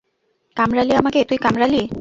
কামড়ালি আমাকে তুই কামড়ালি?